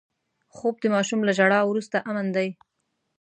خوب د ماشوم له ژړا وروسته امن دی